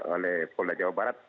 oleh polda jawa barat